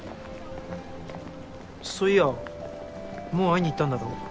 そういやもう会いに行ったんだろ？